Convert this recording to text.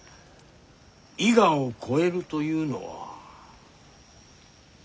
伊賀を越えるというのは。